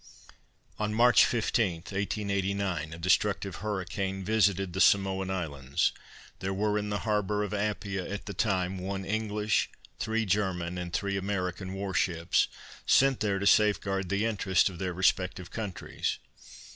On March 15, 1889, a destructive hurricane visited the Samoan Islands. There were in the harbor of Apia, at the time one English, three German, and three American war ships, sent there to safeguard the interests of their respective countries.